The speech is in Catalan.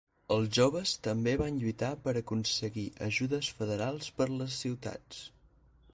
Els joves també van lluitar per aconseguir ajudes federals per les ciutats.